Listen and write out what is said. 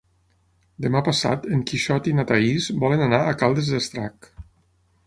Demà passat en Quixot i na Thaís volen anar a Caldes d'Estrac.